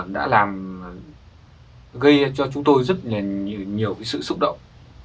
đã gây cho chúng tôi rất nhiều sự xúc động